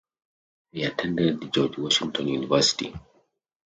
He attended George Washington University.